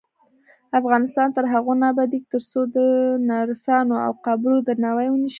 افغانستان تر هغو نه ابادیږي، ترڅو د نرسانو او قابلو درناوی ونشي.